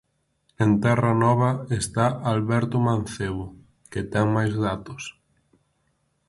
En Terra Nova está Alberto Mancebo, que ten máis datos.